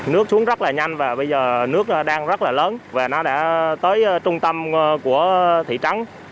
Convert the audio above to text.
nước xuống rất là nhanh và bây giờ nước đang rất là lớn và nó đã tới trung tâm của thị trắng